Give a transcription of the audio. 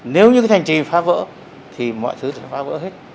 nếu như cái thành trì phá vỡ thì mọi thứ sẽ phá vỡ hết